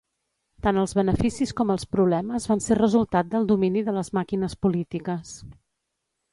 Tant els beneficis com els problemes van ser resultat del domini de les màquines polítiques.